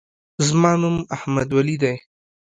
زما نوم احمدولي دی.